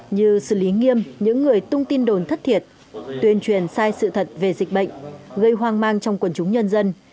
như xử lý nghiêm những người tung tin đồn thất thiệt tuyên truyền sai sự thật về dịch bệnh gây hoang mang trong quần chúng nhân dân